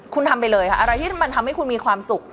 คุณทำไปเลยค่ะอะไรที่มันทำให้คุณมีความสุข